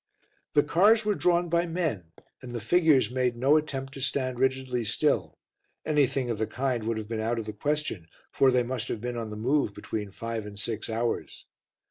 The cars were drawn by men and the figures made no attempt to stand rigidly still anything of the kind would have been out of the question, for they must have been on the move between five and six hours.